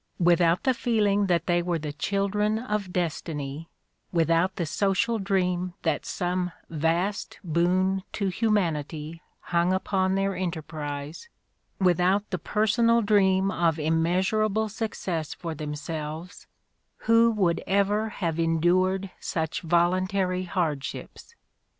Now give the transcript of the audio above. Without the feeling that they were the children of destiny, without the social dream that some vast boon to humanity hung upon their enterprise, with out the personal dream of immeasurable success for themselves, who would ever have endured such volun tary hardships?